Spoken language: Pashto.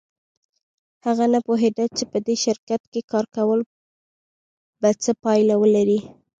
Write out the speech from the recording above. هغه نه پوهېده چې په دې شرکت کې کار کول به څه پایله ولري